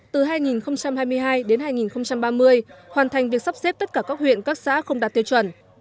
từ hai nghìn hai mươi hai đến hai nghìn ba mươi hoàn thành việc sắp xếp tất cả các huyện các xã không đạt tiêu chuẩn